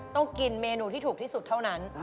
ต้องกินเมนูที่ถูกที่สุดเท่านั้น